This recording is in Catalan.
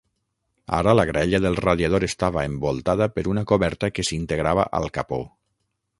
Ara la graella del radiador estava envoltada per una coberta que s'integrava al capó.